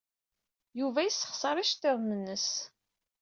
Yuba yessexṣar iceḍḍiḍen-nnes.